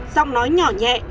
giọng nói nhỏ nhẹ